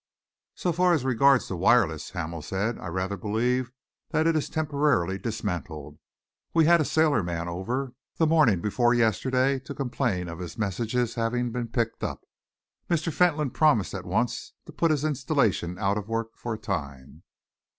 "So far as regards the wireless," Hamel said, "I rather believe that it is temporarily dismantled. We had a sailor man over, the morning before yesterday, to complain of his messages having been picked up. Mr. Fentolin promised at once to put his installation out of work for a time."